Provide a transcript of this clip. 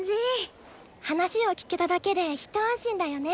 話を聞けただけで一安心だよね。